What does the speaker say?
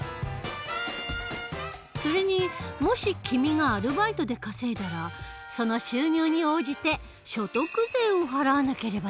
それにもし君がアルバイトで稼いだらその収入に応じて所得税を払わなければならない。